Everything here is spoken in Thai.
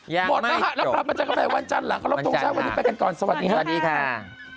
ยังไม่จบยังไม่จบวันจันหลังครบตรงเช้าวันนี้ไปกันก่อนสวัสดีครับสวัสดีค่ะ